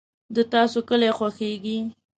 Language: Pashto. د تاسو کلي خوښیږي؟